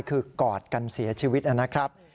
คือกอดกันเสียชีวิตนะครับ